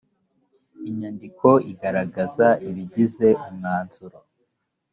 inyandiko igaragaza ibigize umwanzuro